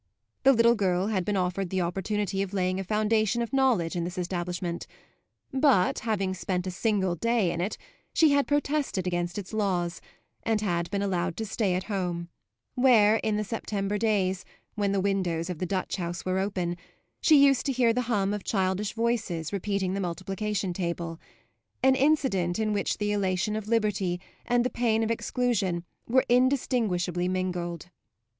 The little girl had been offered the opportunity of laying a foundation of knowledge in this establishment; but having spent a single day in it, she had protested against its laws and had been allowed to stay at home, where, in the September days, when the windows of the Dutch House were open, she used to hear the hum of childish voices repeating the multiplication table an incident in which the elation of liberty and the pain of exclusion were indistinguishably mingled.